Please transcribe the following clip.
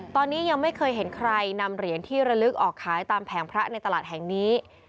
ตอนนี้ยังไม่เคยเห็นใครนำเหรียญที่ระลึกออกขายตามแผงพระในตลาดแห่งนี้